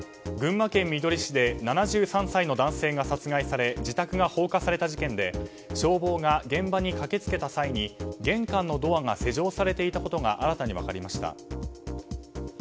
群馬県みどり市で７３歳の男性が殺害され自宅が放火された事件で消防が現場に駆け付けた際に玄関のドアが施錠されていたことが新たに分かりました。